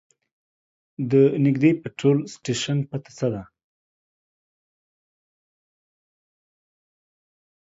د نږدې پټرول سټیشن پته څه ده؟